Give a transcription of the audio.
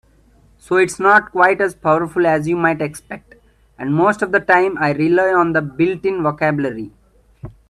So it's not quite as powerful as you might expect, and most of the time I rely on the built-in vocabulary.